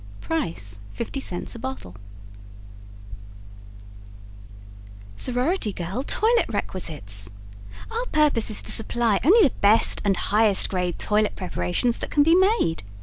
Price 50c a Bottle SORORITY GIRL TOILET REQUISITES Our purpose is to supply only the best and highest grade "Toilet Preparations" that can be made.